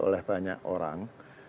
oleh banyak orang